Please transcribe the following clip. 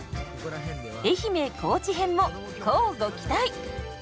愛媛・高知編も乞うご期待！